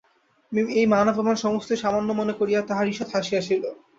এই মান-অপমান সমস্তই সামান্য মনে করিয়া তাঁহার ঈষৎ হাসি আসিল।